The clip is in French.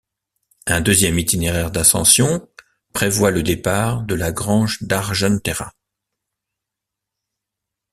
Un deuxième itinéraire d'ascension prévoit le départ de la grange d'Argentera.